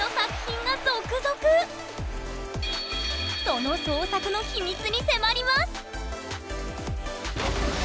その創作の秘密に迫ります！